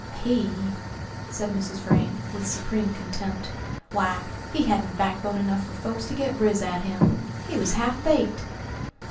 "He," said Mrs. Vrain, with supreme contempt, "why, he hadn't backbone enough for folks to get riz at him! He was half baked!"